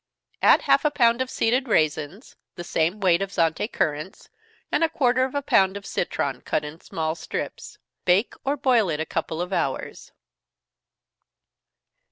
Add half a pound of seeded raisins, the same weight of Zante currants, and a quarter of a pound of citron, cut in small strips. Bake or boil it a couple of hours.